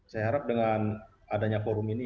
saya harap dengan adanya forum ini